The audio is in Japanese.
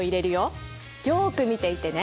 よく見ていてね。